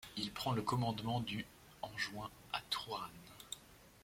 Il prend le commandement du du en juin, à Tourane.